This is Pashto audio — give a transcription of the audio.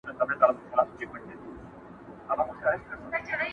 خو دانو ته یې زړه نه سو ټینګولای,